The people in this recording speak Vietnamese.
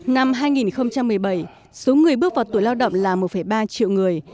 năm hai nghìn một mươi bảy số người bước vào tuổi lao động là một ba triệu người